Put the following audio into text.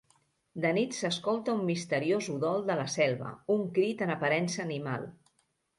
De nit s'escolta un misteriós udol de la selva, un crit en aparença animal.